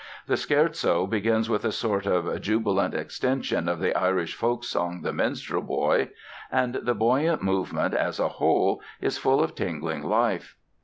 The Scherzo begins with a sort of jubilant extension of the Irish folksong "The Minstrel Boy" and the buoyant movement, as a whole, is full of tingling life.